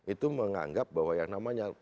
itu menganggap bahwa yang namanya